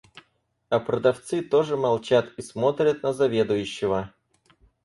А продавцы тоже молчат и смотрят на заведующего.